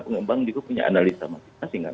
pengembang juga punya analisa maksimal